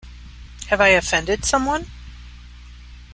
Have I Offended Someone?